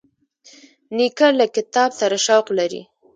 نیکه له کتاب سره شوق لري.